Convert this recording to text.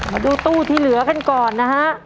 มาดูตู้ที่เหลือกันก่อนนะฮะ